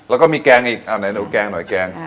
แล้วก็มีแกงอีกไหนหนูแกงหน่อยแกง